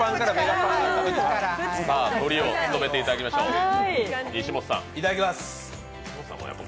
さあ、トリを務めていただきましょう、西本さん。